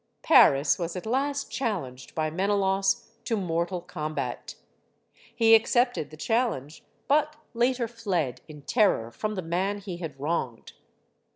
Paris was at last challenged by Menelaus to mortal combat. He accepted the challenge, but later fled, in terror, from the man he had wronged.